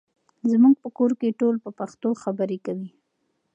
زموږ په کور کې ټول په پښتو خبرې کوي.